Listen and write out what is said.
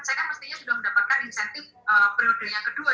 saya kan mestinya sudah mendapatkan insentif periode yang kedua